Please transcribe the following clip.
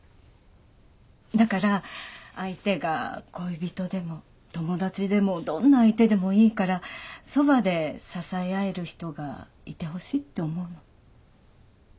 だから相手が恋人でも友達でもどんな相手でもいいからそばで支え合える人がいてほしいって思うの。